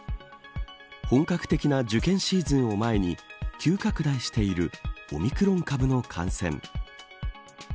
本格的な受験シーズンを前に急拡大しているオミクロン株の感染。